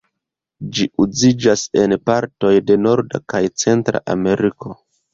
Ĝi uziĝas en partoj de Norda kaj Centra Ameriko.